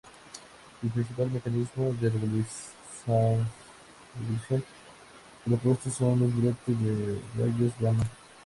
El principal mecanismo de regulación propuesto son los brotes de rayos gamma.